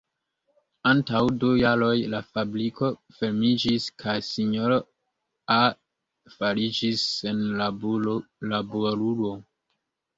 Antaŭ du jaroj la fabriko fermiĝis kaj sinjoro A fariĝis senlaborulo.